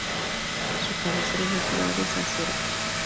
Su cabecera es la ciudad de Zarcero.